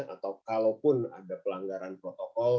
atau kalaupun ada pelanggaran protokol